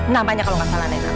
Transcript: namanya kalau gak salah nenek